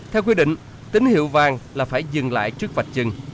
theo quy định tín hiệu vàng là phải dừng lại trước vạch chừng